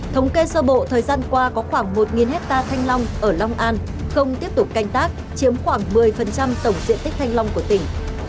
thống kê sơ bộ thời gian qua có khoảng một hectare thanh long ở long an không tiếp tục canh tác chiếm khoảng một mươi tổng diện tích thanh long của tỉnh